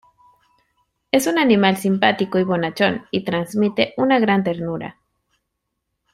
Es un animal simpático y bonachón y transmite una gran ternura.